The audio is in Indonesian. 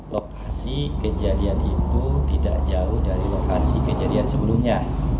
lokasi kejadian itu tidak jauh dari lokasi kejadian sebelumnya